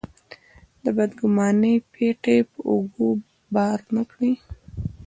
د بدګمانۍ پېټی په اوږو بار نه کړي.